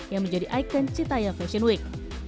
yang menjadi ikon citaya fashion week